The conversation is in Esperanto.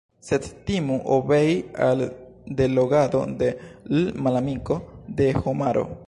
Sed timu obei al delogado de l' malamiko de homaro.